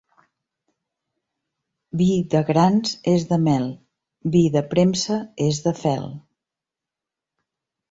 Vi de grans és de mel, vi de premsa és de fel.